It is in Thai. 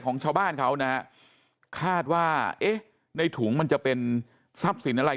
ของชาวบ้านเขานะฮะคาดว่าเอ๊ะในถุงมันจะเป็นทรัพย์สินอะไร